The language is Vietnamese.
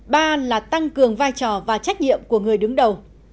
ba là tăng cường vai trò và trách nhiệm của người đứng đầu